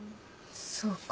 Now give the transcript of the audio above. そうか。